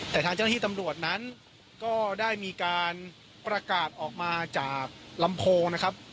แต่ทางเจ้าหน้าที่ตำรวจนั้นก็ได้มีการประกาศออกมาจากลำโพงนะครับ